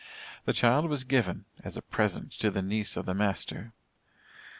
The child was given as a present to a niece of the master.